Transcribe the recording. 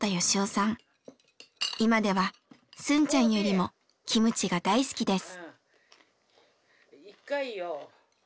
今ではスンちゃんよりもキムチが大好きです。